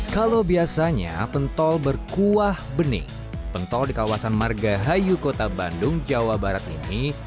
kalau biasanya pentol berkuah bening pentol di kawasan margahayu kota bandung jawa barat ini